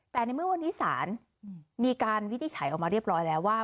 แต่ในเมื่อวันนี้ศาลมีการวินิจฉัยออกมาเรียบร้อยแล้วว่า